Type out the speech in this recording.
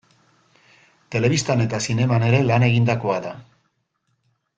Telebistan eta zineman ere lan egindakoa da.